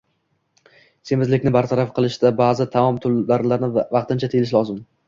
Semizlikni bartaraf qilishda ba’zi taom turlaridan vaqtincha tiyilish lozim.